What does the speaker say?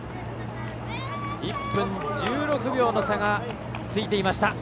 １分１６秒の差がついていました。